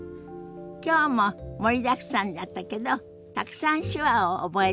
きょうも盛りだくさんだったけどたくさん手話を覚えたでしょ？